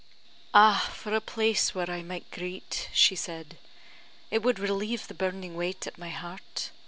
"Ah, for a place where I might greet!" she said; "it would relieve the burning weight at my heart.